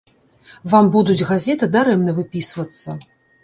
Вам будуць газеты дарэмна выпісвацца.